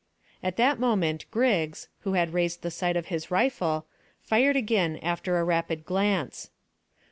At that moment Griggs, who had raised the sight of his rifle, fired again after a rapid glance.